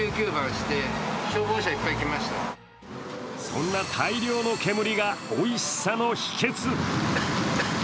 そんな大量の煙がおいしさの秘けつ。